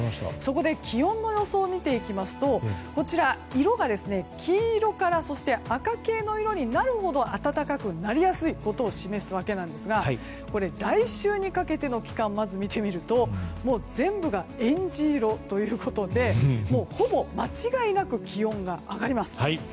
そこで気温の予想を見ていきますと色が黄色から赤系の色になるほど暖かくなりやすいことを示すわけですが来週にかけての期間を見てみるともう全部がえんじ色ということでほぼ間違いなく気温が上がります。